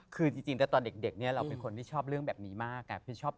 คือจริงแล้วตอนเด็กเนี่ยเราเป็นคนที่ชอบเรื่องแบบนี้มากพี่ชอบ